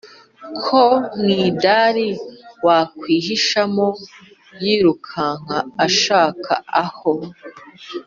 ko mwidari wakwihishamo yirukanka ashaka aho